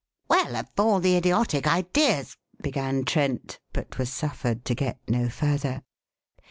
"Well, of all the idiotic ideas ," began Trent, but was suffered to get no further.